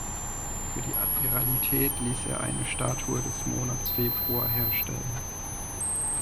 Für die Admiralität ließ er eine Statue des Monats Februar herstellen.